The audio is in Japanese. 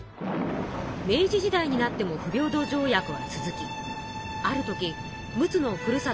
明治時代になっても不平等条約は続きある時陸奥のふるさと